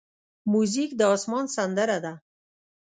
موزیک د آسمان سندره ده.